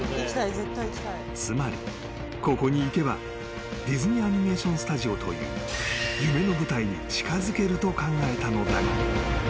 ［つまりここに行けばディズニー・アニメーション・スタジオという夢の舞台に近づけると考えたのだが］